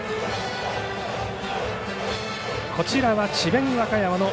こちらは智弁和歌山の。